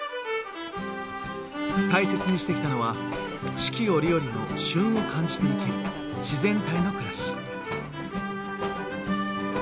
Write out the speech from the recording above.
大切にしてきたのは四季折々の旬を感じて生きる自然体の暮らし。